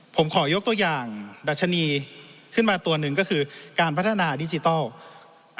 ผมขอยกตัวอย่างดัชนีขึ้นมาตัวหนึ่งก็คือการพัฒนาดิจิทัล